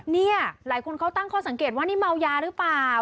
นี่หลายคนเขาตั้งข้อสังเกตว่านี่เมายาหรือเปล่า